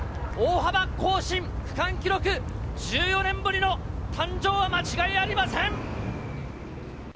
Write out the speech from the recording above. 大幅更新、区間記録、１４年ぶりの誕生は間違いありません。